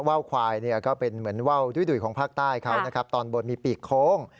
ว่าวควายเนี่ยก็เป็นเหมือนว่าวดุ้ยของภาคใต้เขานะครับตอนบนมีปีกโค้ง